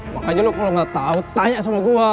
makanya lu kalo gak tau tanya sama gua